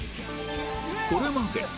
これまで